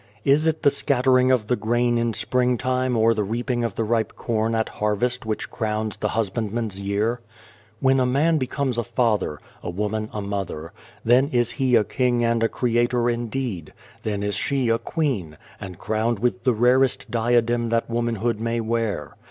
Is it the scattering of the grain in springtime or the reaping of the ripe corn at harvest which crowns the husbandman's year ? When a man becomes a father, a woman a mother, then is he a king and a creator indeed, then is she a queen, and crowned with the rarest diadem that womanhood may wear.